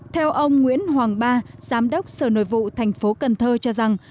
theo ông nguyễn hoàng ba giám đốc sở nội vụ tp cần thơ cho rằng